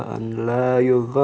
insya allah kita berdoa ya